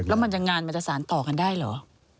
แล้วงานมันนี่อะมันจะสารต่อกันได้เหรอ